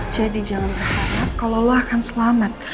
jadi jangan berharap kalau kamu akan selamat